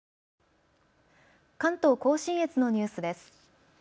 関東甲信越のニュースです。